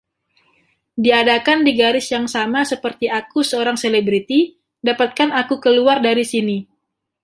Diadakan di garis yang sama seperti aku seorang Selebriti ... Dapatkan Aku Keluar dari Sini!